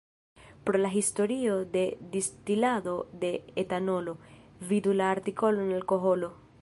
Por la historio de distilado de etanolo, vidu la artikolon Alkoholo.